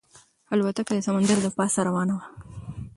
الوتکه د سمندر له پاسه روانه وه.